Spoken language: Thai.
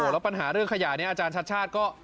แล้วปัญหาเรื่องขยะนี้อาจารย์ชัดชาติก็